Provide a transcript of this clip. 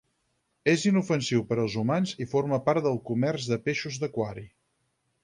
És inofensiu per als humans i forma part del comerç de peixos d'aquari.